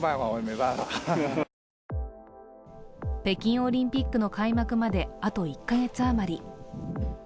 北京オリンピックの開幕まであと１カ月余り。